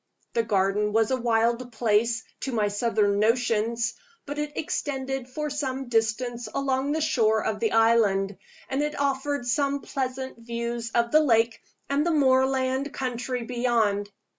The garden was a wild place, to my southern notions; but it extended for some distance along the shore of the island, and it offered some pleasant views of the lake and the moorland country beyond.